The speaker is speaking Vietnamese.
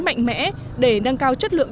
mạnh mẽ để nâng cao chất lượng